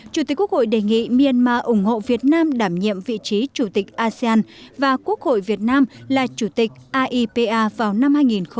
chủ tịch quốc hội đề nghị myanmar ủng hộ việt nam đảm nhiệm vị trí chủ tịch asean và quốc hội việt nam là chủ tịch aipa vào năm hai nghìn hai mươi